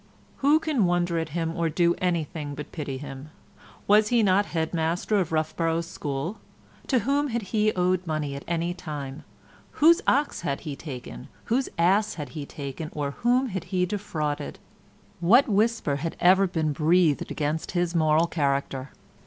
Who can wonder at him or do anything but pity him? Was he not head master of Roughborough School? To whom had he owed money at any time? Whose ox had he taken, whose ass had he taken, or whom had he defrauded? What whisper had ever been breathed against his moral character?